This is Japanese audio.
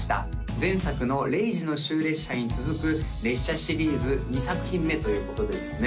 前作の「０時の終列車」に続く列車シリーズ２作品目ということでですね